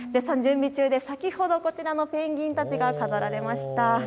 先ほど、こちらのペンギンたちが飾られました。